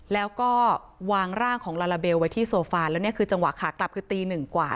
แล้วก็วางร่างของลาลาเบลไว้ที่โซฟาแล้วเนี่ยคือจังหวะขากลับคือตีหนึ่งกว่า